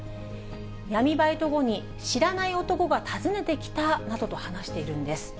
闇バイト後に知らない男が訪ねてきたなどと話しているんです。